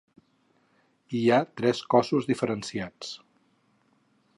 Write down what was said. Hi ha tres cossos diferenciats.